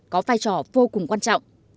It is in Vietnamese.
có vai trò vô cùng quan trọng